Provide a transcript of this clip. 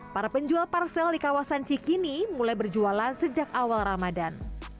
para penjual parsel di kawasan cikini mulai berjualan sejak awal ramadan